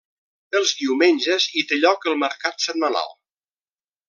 Els diumenges hi té lloc el mercat setmanal.